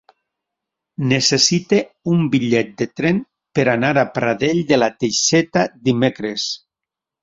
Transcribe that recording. Necessito un bitllet de tren per anar a Pradell de la Teixeta dimecres.